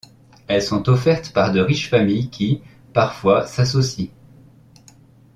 Elles sont offertes par de riches familles qui, parfois, s'associent.